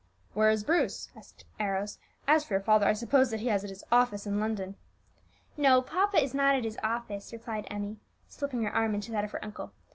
"Where is Bruce?" asked Arrows. "As for your father, I suppose that he is at his office in London." "No; papa is not at his office," replied Emmie, slipping her arm into that of her uncle.